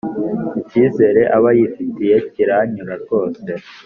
ikizere aba yifitiye kiranyura rwose